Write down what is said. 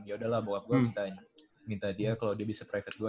yaudah lah bokap gue minta dia kalau dia bisa private gue